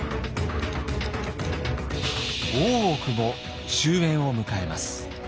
大奥も終焉を迎えます。